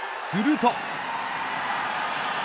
すると。